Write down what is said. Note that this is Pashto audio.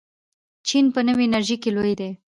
چین په نوې انرژۍ کې لوی دی.